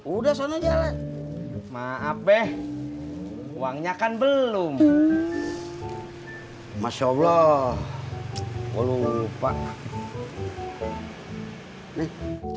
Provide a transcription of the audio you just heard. udah sama jalan maaf deh uangnya kan belum masya allah gue lupa nih